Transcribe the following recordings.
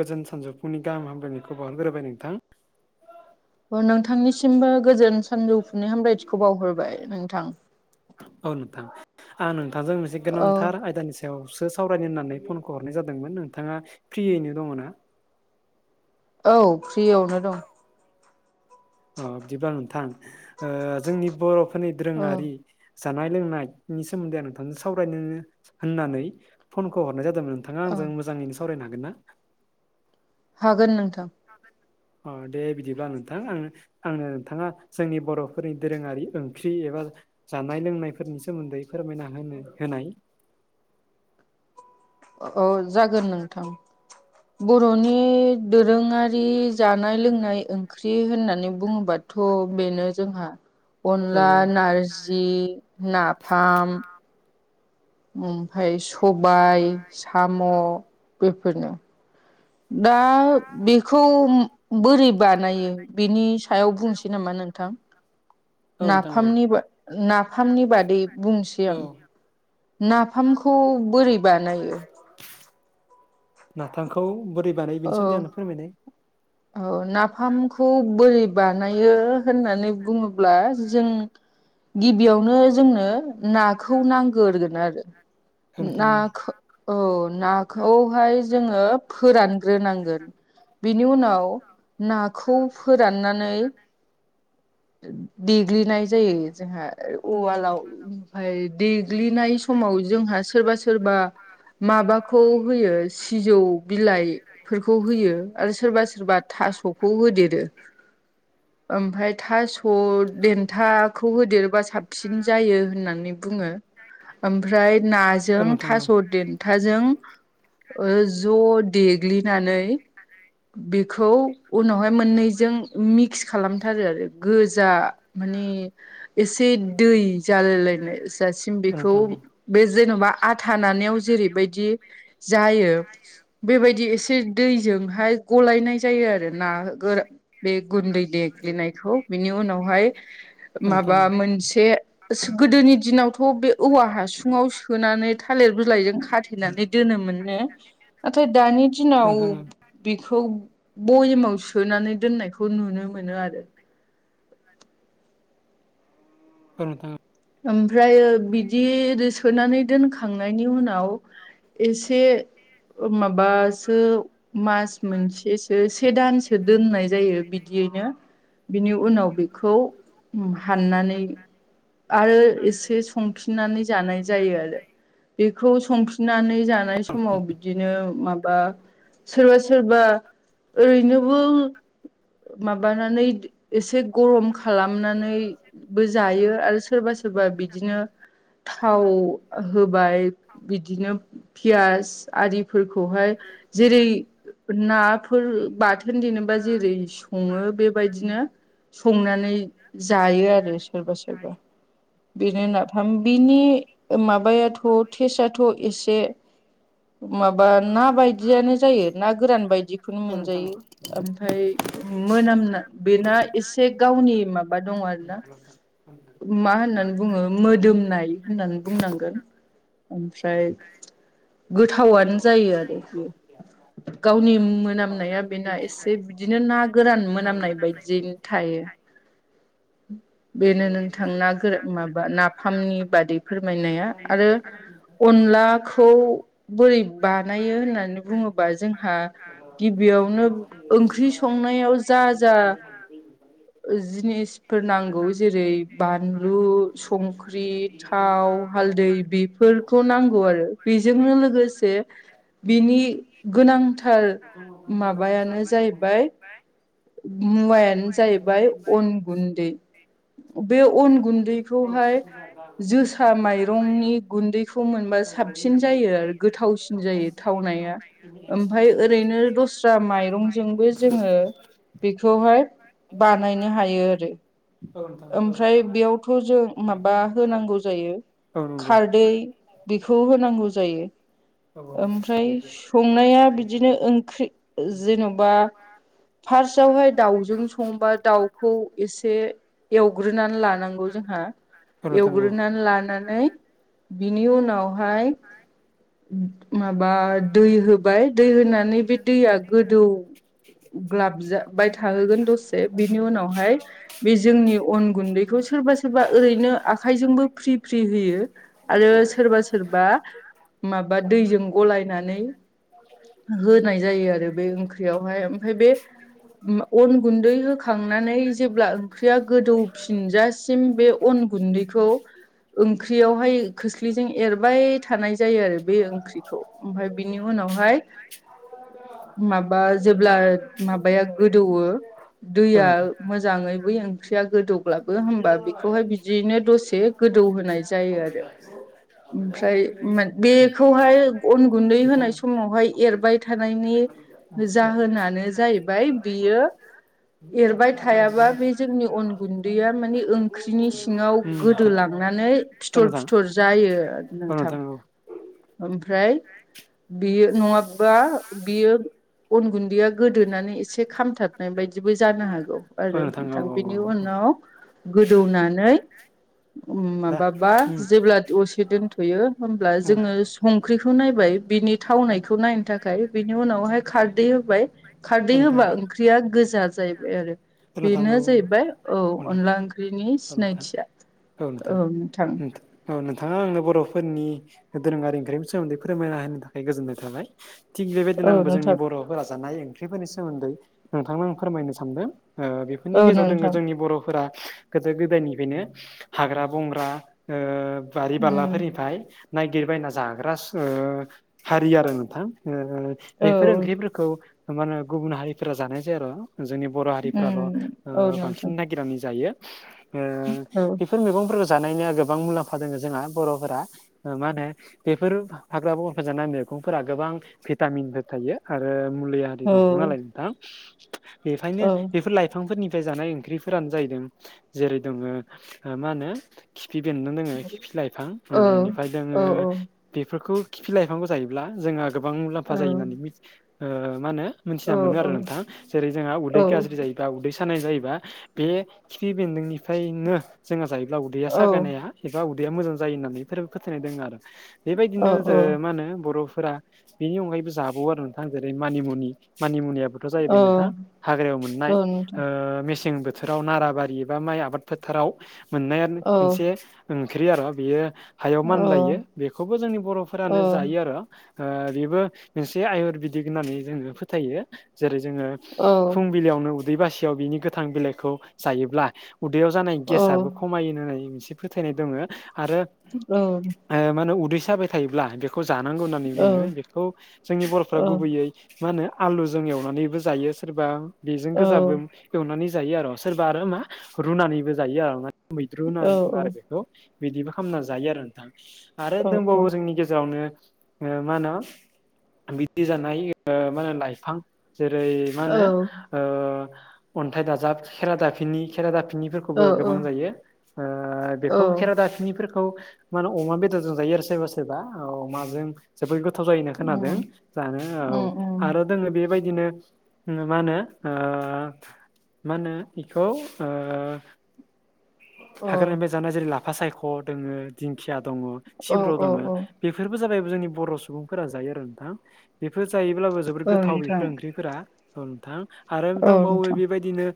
गोजोन सानजौफुनि गाहाम हामलायनायखौ बावहरग्रोबाय नोंथां। नोंथांनिसिमबो गोजोन सानजौफुनि हामलायथिखौ बावहरबाय नोंथां। औ नोंथां आं नोंथांजों मोनसे औ गोनांथार आयदानि स सायावसो सावरायनो होन्नानै फनखौ हरनाय जादोंमोन नोंथाङा फ्रियैनो दङ ना? औ फ्रियावनो दं। अ बिदिबा नोंथां जोंनि बर'फोरनि औ दोरोङारि जानाय लोंनायनि सोमोन्दै आं नोंथांजों सावरायनो होननानै। फनखौ हरनाय जादोंमोन नोंथाङा औ आंजों मोजाङैनो सावरायनो हागोन ना? हागोन नोंथां। अ दे बिदिबा नोथां आं। आङो नोंथाङा जोंनि बर'फोरनि दोरोङारि ओंख्रि एबा जानाय लोंनायफोरनि सोमोन्दै फोरमायना होनो होनाय। औ जागोन नोंथां। बर'नि दोरोङारि जानाय लोंनाय ओंख्रि होननानै बुङोबा थ' बेनो जोंहा औ अनला नारजि नाफाम ओमफ्राय सबाय साम' बेफोरनो दा बेखौ बोरै बानायो बिनि सायाव बुंसै नामा नोंथां? औ नोंथां औ नाफामनि नाफामनि बादै बुंसै आं। औ नाफामखौ बोरै बानायो? नाफामखौ बोरै बानायो औ बेनि सोमोन्दै आं नोंनो फोरमायसै औ नाफामखौ बोरै बानायो होननानै बुङोब्ला जों गिबियावनो जोंनो नाखौ नांगोरगोन आरो। औ नोंथां औ नाखौ औ नाखौहाय जोङो फोरान ग्रोनांगोन। बिनि उनाव नाखौ फोराननानै देग्लिनाय जायो जोंहा उवालाव ओमफफ्राय देग्लिनाय समाव जोंहा सोरबा सोरबा माबाखौ होयो सिजौ बिलाइ। फोरखौ होयो आरो सोरबा सोरबा थास'खौ होदेरो। ओमफ्राय थास' खौ देन्थाखौ होदेरबा साबसिन जायो होननानै बुङो। ओमफ्राय औ नाजों नोंथां औ थास' देन थाजों ज' देग्लिनानै बेखौ उनावहाय मोननैजों मिक्स खालामथारो आरो गोजा। माने एसे दै जालायलायनाय जासिम औ बेखौ नोंथां औ बे जेन'बा आथा नानायाव जेरैबायदि जायो बेबायदि एसे दैजोंहाय गलायनाय जायो आरो ना गोरा बे गुन्दै देग्लिनायखौ बिनि उनावहाय औ नोंथां माबा औ मोनसे गोदोनि दिनावथ' बे औवा हासुुंआव सोनानै थालिर बिलाइजों खाथेनानै दोनोमोननो नाथाय दानि औ दिनाव नोंथां औ बेखौ बयेमाव सोनानै दोननायखौ नुनो मोनो आरो। औ नोंथां ओमफ्रायो बिदि रि सोनानै दोनखांनायनि उनाव एसे माबासो मास मोनसेसो से दानसो दोननाय जायो बिदियैनो बिनि उनाव बेखौ हाननानै आरो एसे संफिननानै जानाय जायो आरो बेखौ संफिन नानै जानाय समाव बिदिनो माबा सोरबा सोरबा ओरैनोबो माबानानै एसे गरम खालामनानैबो जायो आरो सोरबा सोरबा बिदिनो थाव होबाय बिदिनो पियास आरिफोरखौहाय जेरै ना नाफोर बाथोन देनोबा जेरै सङो बे बेबायदिनो संनानै जायो आरो सोरबा सोरबा। बेनो नाफाम बिनि माबायाथ' टेस्टआथ' एसे माबा ना बायदियानो जायो ना गोरान बायदिखौनो मोनजायो। ओमफ्राय मोनामनाय बेना एसे गावनि माबा दङ आरो ना [inaudible] मा होननानै बुङो मोदोमनाय होननानै बुंनांगोन ओमफ्राय गोथावानो औ जायो आरो बियो नोंथां गावनि मोनाम नाया बेना एसे बिदिनो ना गोरान मोनामनाय बायदियैनो थायो। औ बेनो नोंथां ना गोरा माबा नाफामनि बादै फोरमायनाया आरो अनलाखौ बोरै बानायो होननानै बुङोबा जोंहा गिबियावनो ओंख्रि संनायाव जा जा जिनिस फोर नांगौ जेरै बानलु संख्रि थाव हालदै बे फोरखौ नांगौ आरो बिजोंनो लोगोसे बिनि गोनांथार माबायानो जाहैबाय मुवायानो जाहैबाय अन गुन्दै बे अन गुन्दै खौहाय जोसा माइरंनि गुन्दैखौ मोनबा साबसिन जायो आरो। गोथावसिन जायो थावनाया ओमफ्राय ओरैनो दस्रा माइरंजोंबो जोङो बेखौहाय बानायनो हायो आरो। औ नोंथां औ ओमफ्राय बेयावथ' जों माबा होनांगौ जायो औ नंगौ खारदै बिखौ होनांगौ जायो। औ औ ओमफ्राय दे दे संनाया बिदिनो ओंख्रि जेनबा फार्स्टआवहाय दाउजों संबा दाउखौ एसे एवग्रोनानै लानांगौ जोंहा औ नोंथां औ एवग्रोना लानानै बिनि उनावहाय माबा दै होबाय दै होनानै बे दैया गोदौ ग्लाब जाबाय थाहोगोन दसे बिनि उनावहाय बे जोंनि अन गुन्दैखौ सोरबा सोरबा ओरैनो आखाइजोंबो फ्रि फ्रि होयो। आरो सोरबा सोरबा माबा दैजों गलायनानै होनाय जायो आरो बे ओंख्रियावहाय ओमफ्राय बे उम अन गुन्दै होखांनानै जेब्ला ओंख्रिया गोदौफिनजासिम बे अन गुन्दैखौ ओंख्रियावहाय खोस्लिजों एरबाय थानाय जायो आरो बे ओंख्रिखौ ओमफाय बिनि उनावहाय माबा जेब्ला माबाया गोदौवो औ दैया नोंथां मोजाङै बै ओं ख्रिया गोदौब्लाबो होमबा बेखौहाय बिदियैनो दसे गोदौ होनाय जायो आरो। उम ओमफ्राय बेखौहाय अन गुन्दै नोंथां होनाय समावहाय एरबाय थानायनि औ जाहोनानो जाहैबाय बियो एरबाय थायाबा बे जे जोंनि अन गुन्दैया माने ओं ख्रिनि सिङाव गोदोलांनानै फिथर नोंथां फिथर जायो आरो औ नोंथां। औ ओमफ्राय बियो नङाबा बियो अन गुन्दैया गोदोनानै एसे खामथाब नाय बायदिबो जानो हागौ औ आरो औ नोंथां औ औ बेनि औ उनाव गोदौनानै दा माबाबा उम जेब्ला दसे दोनथ'यो होमब्ला औ जोङो संख्रिखौ नायबाय बिनि थावनायखौ नायनो थाखाय बिनि उनावहाय खारदै होबाय खारदै नोंथां होबा ओंख्रिया गोजा जाहैबाय आरो। औ नोंथां औ बेनो जाहैबाय औ अनला ओंख्रिनि औ नोंथां सिनायथिया औ नोंथां। औ नोंथाङा आङो बर'फोरनि दोरोङारि ओंख्रिनि सोमोन्दै फोरमायना होनायनि थाखाय गोजोननाय थाबाय। थिग बेबायदिनो औ आंबो जोंनि नोंथां बर'फोरा जानाय ओंख्रिफोरनि सोमोन्दै नोंथांनो आं फोरमायनो सानदों। ओ बेफोरनि औ गेजेराव दोङो नोंथां जोंनि बर'फोरा गोदो गोदायनिफ्रायनो हाग्रा बंग्रा ओ बारि उम बालाफोरनिफ्राय नायगिरबायना जाग्रा ओ हारि आरो नोंथां ओ बेफोर औ ओंख्रिफोर खौ मा होनो गुबुन हारिफोरा जानाय जाया आर' जोंनि बर' फोराल' ओ उम औ नोंथां बांसिन नागिरनानै जायो। ओ औ बेफोर मैगंफोरखौ जानायनिया गोबां मुलाम्फा दङ जोंहा बर'फोरा ओ मा होनो बेफोर हाग्रा बंग्राखो जाना मेगंफोरा गोबां भिटामिनफोर थायो आरो मुलिया आरि औ दफाङालाय नोंथां बेखायनो औ बेफोर लाइफांफोरनिफ्राय जानाय ओंख्रिफोरानो जाहैदों जेरै दोङो मा होनो खिफि बेन्दों दोङो खिफि लाइफां ओ इनिफ्राय दोङो औ बेफोरखौ खिफि लाइफांखौ जायोब्ला जोंहा गोबां मुलाम्फा जायो होननानै मिथि ओ मा होनो? मिथिना औ मोनो आरो नोंथां जेरै जोंहा उदै बा उदै सानाय जायोबा बे खिफि बेन्दोंनिफ्रायनो जोंहा जायोब्ला उदैया सागानाया एबा उदैया मोजां जायो होननानै बेफोरो फोथायनाय दङ आरो औ बेबायदिनो औ मा होनो बर'फोरा बेनि अनगायैबो जाबावो आरो नोंथां जेरै मानिमुनि मानिमुनियाबोथ' जाहैबाय औ नोंथां हाग्रायाव मोननाय नोंथां मेसें बोथोराव नारा बारि एबा माइ आबाद फोथाराव मोननायानो औ मोनसे ओंख्रि आरो बेयो हायाव औ औ मानलायो औ बेखौबो जोंनि बर'फोरानो जायो आरो बेबो मोनसे आयुरवेदिक होननानै जोङो फोथायो जेरै जोङो औ औ औ फुंबिलियावनो उदै बासियाव बिनि गोथां बिलाइखौ जायोब्ला उदैयाव जानाय औ गेसाबो खमायो होननाय मोनसे फोथायनाय दङ आरो औ मा होनो उदै साबाय थायोब्ला बेखौ जानांगौ होननानै बुङो बेखौ जोंनि बर'फ्रा गुबैयै मा होनो आलुजों एवनानैबो जायो सोरबा बेजों गोजाबो एवनानै जायो आरो सोरबा आरो मा रुनानैबो जायो आरो ना मैद्रु होननानै बुङो आरो बेखौ बिदिबो खालामना जायो आरो नोंथां आरो दंबावो जोंनि गेजेरावनो मा होनो बिदि जानाय मा होनो लाइफां जेरै मा होनो अन्थाइ दाजाब खेरा दाफिननि खेरा दाफिनिफोरखौ गोबां जायो बेखौ खेरादाफिनि फोरखौ मा होनो अमा बेदरजों जायो आरो सोरबा सोरबा अमाजों जोबोर गोथाव जायोना खोनादों जानो औ आरो दोङो बेबायदिनो मा होनो मा होनो बेखौ औ हाग्रानिफ्राय जानाया जेरै लाफा सायख' दङ दिंखिया दङ सिब्र' दङ बेफोरबो जाबाय जोंनि बर' सुबुंफोरा जायो आरो नोंथां बेफोर जायोब्लाबो जों जोबोद गोथाव बेफोर ओंख्रिफोरा औ नोंथां आरो दंबावो बेबायदिनो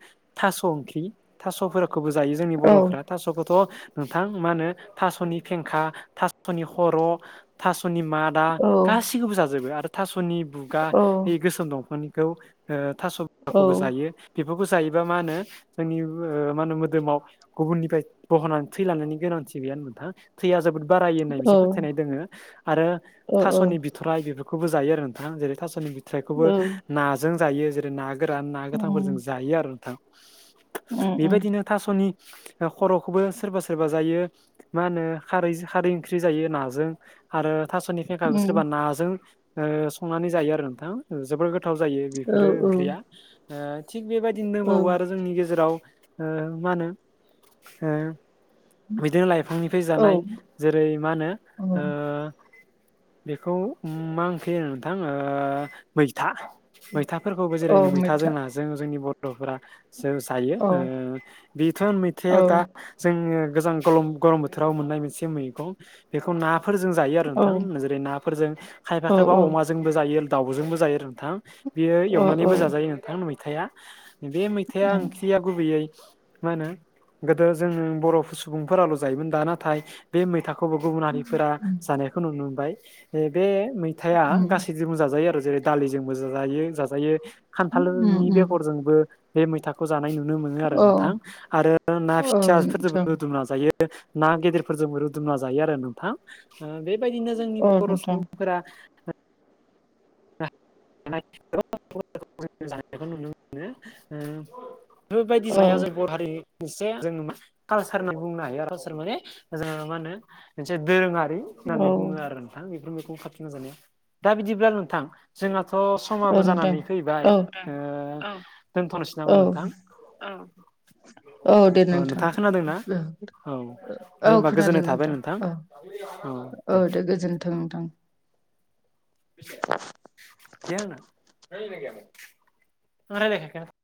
थास' ओंख्रि थास'खौबो जायो जोंनि बर' थास'खौथ' नोंथां मा होनो थास'नि फेंखा थास'नि खर' थासनि मा दा गासैखौबो जाजोबो आरो दासनि बुगा बै गोसोम दंफांनिखौ थास' खौबो जायो बेफोरखौ जायोबा मा होनो जोंनि मा होनो मोदोमाव गुबुननिफ्राय बह'नानै थैलांनायनि गोनांथि गैया नोंथां थैया जोबोद बारायो होन्नानैसो औ फोथायनाय दोङो आरो औ औ थास'नि बिथ थराय बेफोरखौबो जायो आरो नोंथां जेरै थास' औ बिथरायखौबो नाजों जायो जेरै ना गोरान ना गोथांफोरजों उम जायो आरो नोंथां उम बेबायदिनो थास'नि खर'खौबो सोरबा सोरबा जायो मा होनो खारै खारै ओंख्रि जायो नाजों आरो थास'नि फेंखाखौ उम सोरबा नाजों संनानै जायो आरो नोंथां जोबोर गोथाव जायो औ बेफोरो औ ओंख्रिया थिग बेबायदिनो दंबावो आरो जोंनि गेजेराव मा होनो बिदिनो लाइफांनिफ्राय औ जानाय जेरै मा होनो औ बेखौ मा ओंख्रि होनो नोंथां मैथा मैथाफोरखौबो जेरैनो मैथा जों नाजों जोंनि बर'फोरा जो जायो औ बिफोर औ मैथाया दा जोङो गोजां गरम गरम बोथोराव मोननाय मोनसे मैगं बेखौ नाफोरजों जायो जायो आरो औ नोंथां जेरै नाफोरजों खायफा औ खायफा औ अमाजोंबो जायो दाउजोंबो जायो नोंथां बेयो औ एवनानैबो जाजायो नोंथां मैथाया बे मैथाया उम ओंख्रिया गुबैयै मा होनो गोदो जों बर' सुबुंफोराल' जायोमोन दा नाथाय बे मैथाखौबो गुबुन हारिफोरा जानायखौ नुनो मोनबाय बे मैथाया उम गासै जों जाजायो आरो जेरै दालिजोंबो जायो जाजायो उम खान्थालनि उम बेगरजोंबो बे मैथाखौ जानाय नुनो मोनो आरो औ नोंथां आरो ना औ नोंथां फिसाफोरजों रुना जायो ना गेदेरफोरजोंबो रुदुबना जायो आरो नोंथां बेबायदिनो जोंनि औ बर' नोंथां सुबुंफोरा नुनो मोनो बेफोरबायदि औ नाया जों बर' हारिनि एसे जों कालसार होनना बुंनो हायो कालसार माने जो मा होनो मोनसे दोरोङारि औ होननानै बुङो आरो नोंथां बेफोर मखौ खाथि नाजानाया दा बिदिब्ला नोंथां जोंहाथ' औ समाबो नोंथां जानानै फैबाय औ दोनथ'नोसै औ नामा नोंथां औ दे नोंथां नोंथाङा खोनादोंना औ दे औ औ होमबा खोनादों गोजोननाय थाबाय नोंथां औ [inaudible] औ दे गोजोन्थों नोंथां [inaudible]